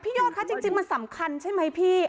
โยนคะจริงมันสำคัญใช่ไหมพี่